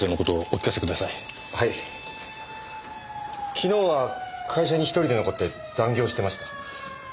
昨日は会社に１人で残って残業してました。